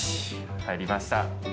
入りました。